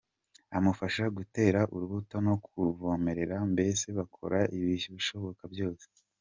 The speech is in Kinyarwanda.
amufasha gutera urubuto no kuruvomerera mbese bakora ibishoboka byose.